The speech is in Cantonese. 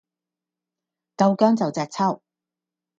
夠薑就隻揪